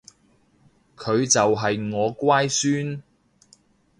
佢就係我乖孫